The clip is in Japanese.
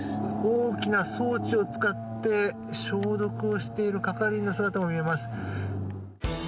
大きな装置を使って消毒をしている係員の姿も見えます。